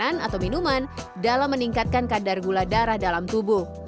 makanan atau minuman dalam meningkatkan kadar gula darah dalam tubuh